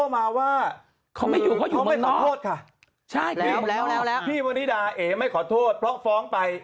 เพียงป่านไหลนะเขาตอบโต้มาว่า